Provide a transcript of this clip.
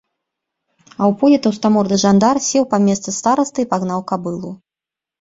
А ў полі таўстаморды жандар сеў па месца старасты і пагнаў кабылу.